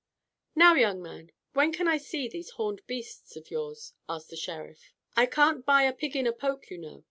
"Now, young man, when can I see these horned beasts of yours?" asked the Sheriff. "I can't buy a pig in a poke, you know.